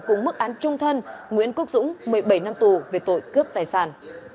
cùng mức án trung thân nguyễn quốc dũng một mươi bảy năm tù về tội cướp tài sản